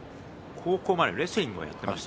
高校までレスリングをやっていました。